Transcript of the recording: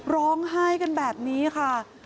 ร้องไห้กันแบบนี้ค่ะ